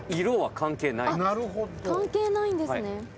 関係ないんですね。